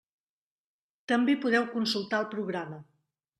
També podeu consultar el programa.